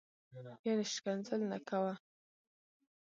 یعنی شکنځل نه کوه